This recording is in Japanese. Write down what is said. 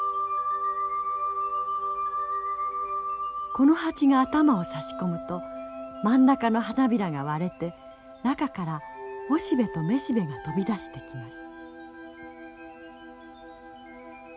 このハチが頭を差し込むと真ん中の花びらが割れて中からオシベとメシベが飛び出してきます。